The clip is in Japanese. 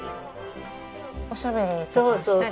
おしゃべりとかしたり。